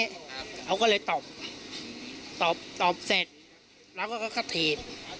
เขาก็เลยตอบตอบตอบเสร็จแล้วก็เขาก็ถีบ